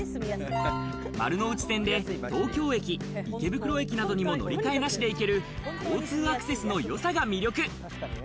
丸ノ内線で東京駅、池袋駅などにも乗り換えなしで行ける交通アクセスのよさが魅力。